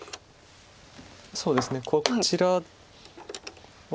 そうですねこちらは。